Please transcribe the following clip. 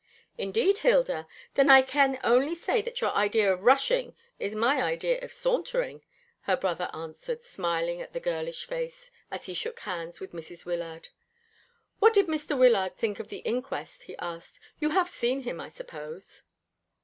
"Indeed, Hilda! Then I can only say that your idea of rushing is my idea of sauntering," her brother answered, smiling at the girlish face, as he shook hands with Mrs. Wyllard. "What did Mr. Wyllard think of the inquest?" he asked. "You have seen him, I suppose?"